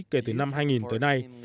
kể từ năm hai nghìn tới nay